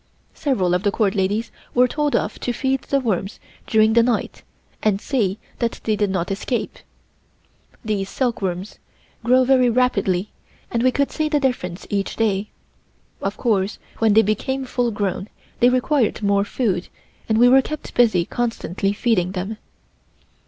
Several of the Court ladies were told off to feed the worms during the night and see that they did not escape. These silkworms grow very rapidly and we could see the difference each day. Of course when they became full grown they required more food and we were kept busy constantly feeding them.